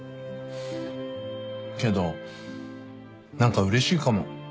けど何かうれしいかも。